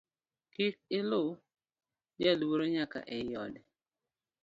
Kik iluw jaluoro nyaka ei ode